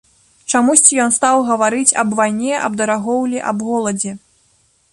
Чамусьці ён стаў гаварыць аб вайне, аб дарагоўлі, аб голадзе.